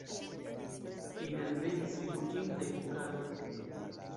Fine alvenis rifuĝintaj hungaroj.